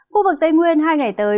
khu vực tây nguyên hai ngày tới